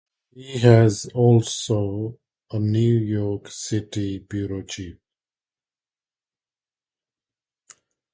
He was also a New York City bureau chief.